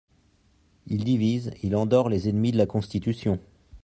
Il divise, il endort les ennemis de la constitution.